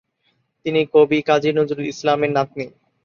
তিনি কবি কাজী নজরুল ইসলামের নাতনী।